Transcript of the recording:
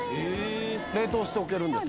冷凍しておけるんです。